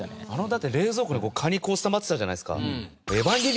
だって冷蔵庫にカニこうスタンバってたじゃないですか。